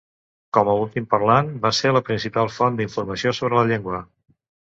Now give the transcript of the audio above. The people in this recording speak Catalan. Com a últim parlant, va ser la principal font d'informació sobre la llengua.